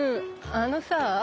あのさあ